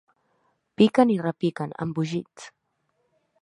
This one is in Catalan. Piquen i repiquen, embogits.